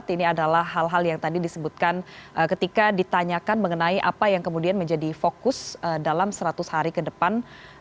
ini adalah hal hal yang tadi disebutkan ketika ditanyakan mengenai apa yang kemudian menjadi fokus dalam seratus hari ke depan